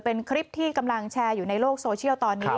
เป็นคลิปที่กำลังแชร์อยู่ในโลกโซเชียลตอนนี้